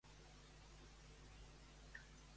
Què es feia feixuga?